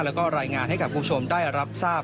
แล้วก็รายงานให้กับคุณผู้ชมได้รับทราบ